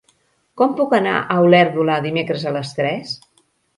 Com puc anar a Olèrdola dimecres a les tres?